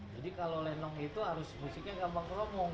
jadi kalau lenong itu harus musiknya gambang kromong